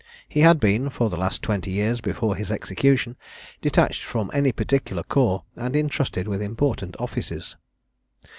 He had been, for the last twenty years before his execution, detached from any particular corps, and intrusted with important offices.